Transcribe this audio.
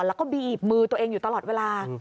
แล้วก็บีบมือตัวเองอยู่ตลอดเวลา